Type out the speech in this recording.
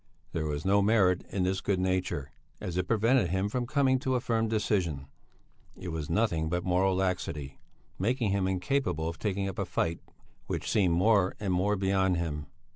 There was no merit in this good nature, as it prevented him from coming to a firm decision; it was nothing but moral laxity, making him incapable of taking up a fight which seemed more and more beyond him.